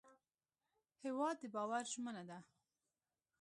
هېواد د باور ژمنه ده.